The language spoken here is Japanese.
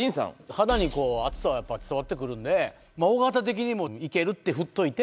肌に熱さはやっぱ伝わってくるんで尾形的にもいけるってふっといて。